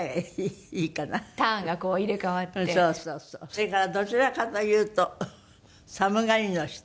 それからどちらかというと寒がりの人。